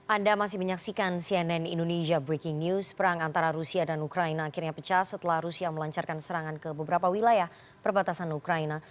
anda masih menyaksikan cnn indonesia breaking news perang antara rusia dan ukraina akhirnya pecah setelah rusia melancarkan serangan ke beberapa wilayah perbatasan ukraina